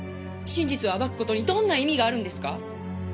真実を暴く事にどんな意味があるんですか？